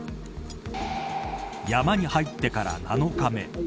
山に入ってから７日目。